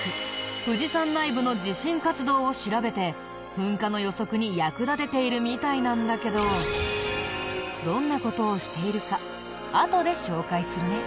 富士山内部の地震活動を調べて噴火の予測に役立てているみたいなんだけどどんな事をしているかあとで紹介するね。